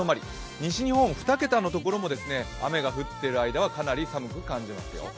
西日本２桁のところも雨が降っている間はかなり寒く感じます。